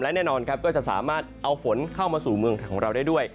และแน่นอนครับก็จะสามารถเอาฝนเข้ามาสู่เมืองของเราได้ด้วย